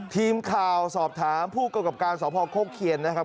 ทีมข่าวสอบถามผู้กำกับการสพโคกเคียนนะครับ